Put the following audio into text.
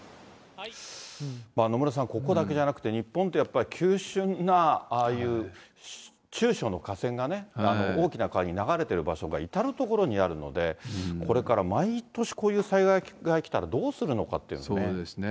野村さん、ここだけじゃなくて、日本ってやっぱり、急しゅんなああいう中小の河川が大きな川に流れてる場所が至る所にあるので、これから毎年、こういう災害が来たらどうするのかっていうね。